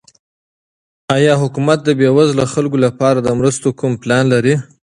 آیا حکومت د بېوزلو خلکو لپاره د مرستو کوم پلان لري؟